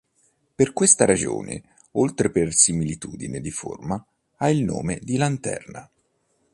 Per questa ragione, oltre per similitudine di forma, ha il nome di "lanterna".